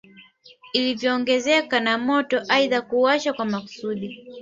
Ilivyoongezeka na moto aidha kuwashwa kwa makusudi